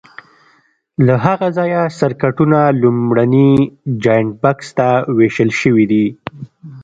له هغه ځایه سرکټونو لومړني جاینټ بکس ته وېشل شوي دي.